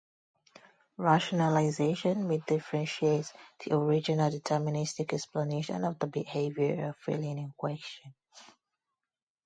Rationalization may differentiate the original deterministic explanation of the behavior or feeling in question.